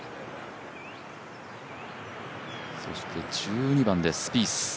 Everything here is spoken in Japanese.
そして１２番です、スピース。